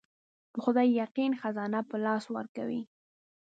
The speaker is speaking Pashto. په خدای يقين خزانه په لاس ورکوي.